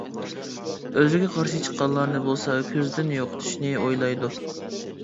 ئۆزىگە قارشى چىققانلارنى بولسا كۆزدىن يوقىتىشنى ئويلايدۇ.